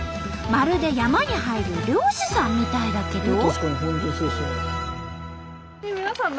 まるで山に入る猟師さんみたいだけど。